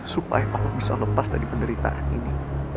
supaya allah bisa lepas dari penderitaan ini